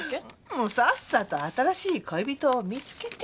もうさっさと新しい恋人を見つけて。